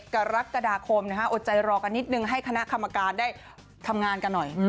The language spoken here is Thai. กรกฎาคมอดใจรอกันนิดนึงให้คณะกรรมการได้ทำงานกันหน่อย